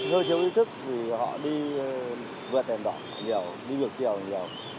hơi thiếu ý thức vì họ đi vượt đèn đỏ nhiều đi vượt chiều nhiều